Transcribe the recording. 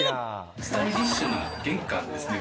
スタイリッシュな玄関ですね。